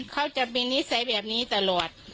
เขาจะมีนิสัยแบบนี้ตลอด